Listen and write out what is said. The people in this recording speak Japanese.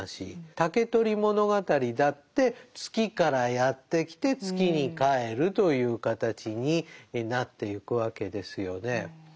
「竹取物語」だって月からやって来て月に帰るという形になってゆくわけですよね。